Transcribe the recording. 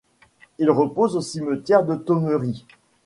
Il repose au cimetière de Thomery.